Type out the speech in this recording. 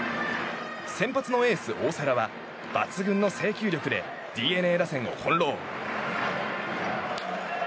先発のエース、大瀬良は抜群の制球力でＤｅＮＡ打線を翻弄。